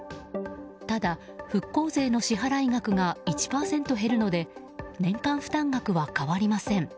ただ、復興税の支払額が１％減るので年間負担額は変わりません。